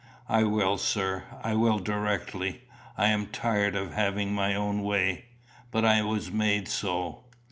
"I will, sir. I will directly. I'm tired of having my own way. But I was made so."